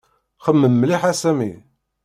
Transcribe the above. Xemmem mliḥ a Sami.